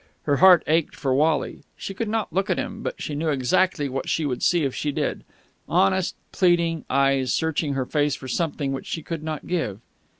Her heart ached for Wally. She could not look at him, but she knew exactly what she would see if she did honest, pleading eyes searching her face for something which she could not give.